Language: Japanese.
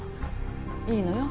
いいのよ。